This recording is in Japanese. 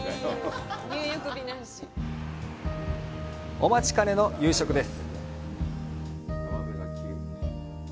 お待ちかねの夕食です。